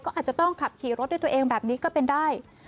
ก็อาจจะต้องขับขี่รถด้วยตัวเองแบบนี้ก็เป็นได้